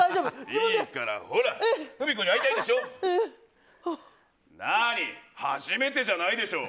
いいから、ほらフミコに会いたいでしょ。